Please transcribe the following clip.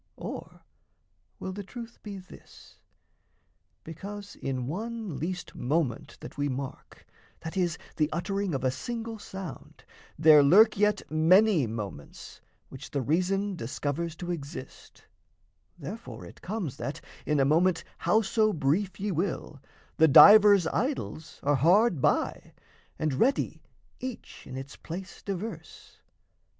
Or will the truth be this: Because in one least moment that we mark That is, the uttering of a single sound There lurk yet many moments, which the reason Discovers to exist, therefore it comes That, in a moment how so brief ye will, The divers idols are hard by, and ready Each in its place diverse?